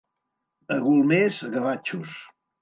A Golmés, gavatxos.